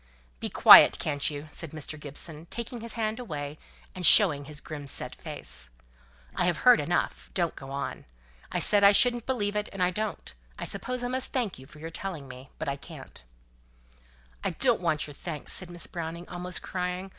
"Be quiet, can't you?" said Mr. Gibson, taking his hand away, and showing his grim set face. "I've heard enough. Don't go on. I said I shouldn't believe it, and I don't. I suppose I must thank you for telling me; but I can't yet." "I don't want your thanks," said Miss Browning, almost crying.